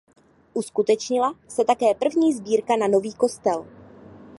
Uskutečnila se také první sbírka na nový kostel.